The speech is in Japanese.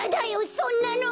そんなの！